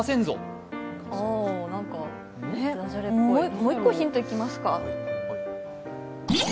もう一個ヒントいきますか。